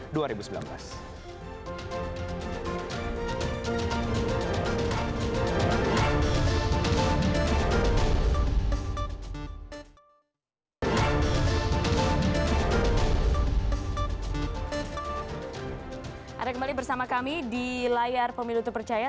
anda kembali bersama kami di layar pemilu terpercaya